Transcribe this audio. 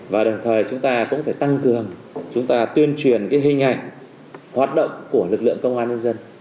và đồng thời chúng ta cũng phải tăng cường chúng ta tuyên truyền hình ảnh hoạt động của lực lượng công an nhân dân